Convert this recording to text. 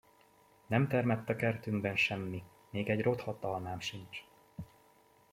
Nem termett a kertünkben semmi, még egy rothadt almám sincs!